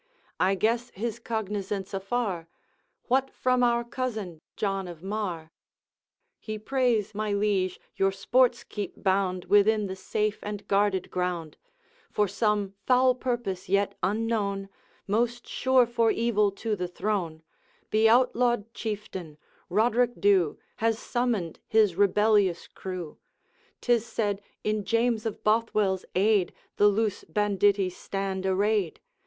I guess his cognizance afar What from our cousin, John of Mar?' 'He prays, my liege, your sports keep bound Within the safe and guarded ground; For some foul purpose yet unknown, Most sure for evil to the throne, The outlawed Chieftain, Roderick Dhu, Has summoned his rebellious crew; 'Tis said, in James of Bothwell's aid These loose banditti stand arrayed.